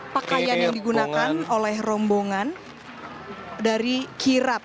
pakaian yang digunakan oleh rombongan dari kirap